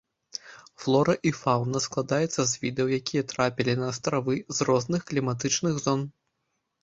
Флора і фаўна складаецца з відаў, якія трапілі на астравы з розных кліматычных зон.